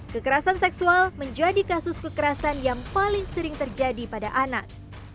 kekerasan seksual menjadi kasus kekerasan yang paling sering terjadi pada anak